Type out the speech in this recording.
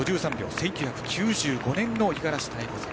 １９９５年の五十嵐妙子さん